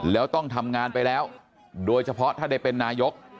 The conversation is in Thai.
แล้วต้องทำงานไปแล้วโดยเฉพาะถ้าได้เป็นนายก